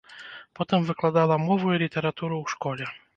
Потым выкладала мову і літаратуру ў школе.